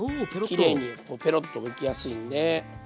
きれいにペロッとむきやすいんで。